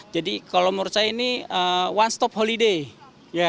jadi kalau menurut saya ini one stop holiday